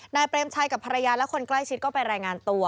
เปรมชัยกับภรรยาและคนใกล้ชิดก็ไปรายงานตัว